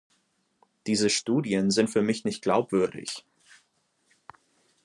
Diese Studien sind für mich nicht glaubwürdig.